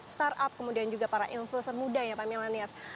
startup kemudian juga para influencer muda ya pak milanias